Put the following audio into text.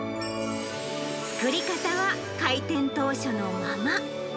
作り方は開店当初のまま。